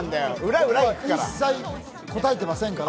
僕、一切答えていませんから。